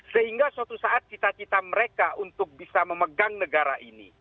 sehingga suatu saat cita cita mereka untuk bisa memegang negara ini